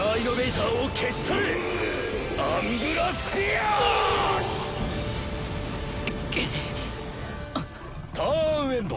ターンエンド！